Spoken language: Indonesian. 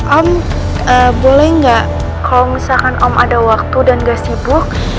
om boleh nggak kalau misalkan om ada waktu dan gak sibuk